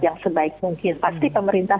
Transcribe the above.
yang sebaik mungkin pasti pemerintah